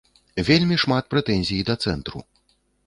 Вельмі шмат прэтэнзій да цэнтру.